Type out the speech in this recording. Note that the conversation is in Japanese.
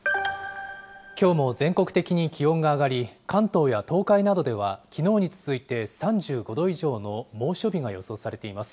きょうも全国的に気温が上がり、関東や東海などでは、きのうに続いて３５度以上の猛暑日が予想されています。